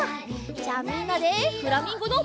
じゃあみんなでフラミンゴのバランス！